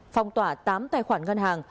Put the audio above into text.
phong tỏa tám tài khoản ngân hàng